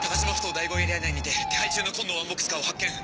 第５エリア内にて手配中の紺のワンボックスカーを発見。